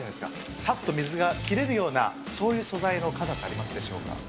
さっと水が切れるような、そういう素材の傘ってありますでしょうか。